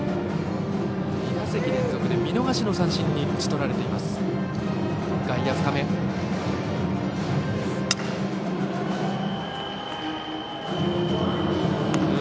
２打席連続で見逃し三振に打ち取られています、佐倉。